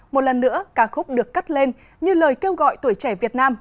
một lần nữa ca khúc được cất lên như lời kêu gọi tuổi trẻ việt nam